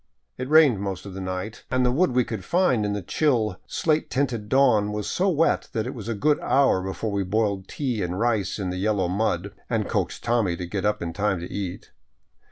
It rained most of the night, and the wood we could find in the chill slate tinted dawn was so wet that it was a good hour before we boiled tea and rice in the yellow mud — and coaxed Tommy to get up in time to eat.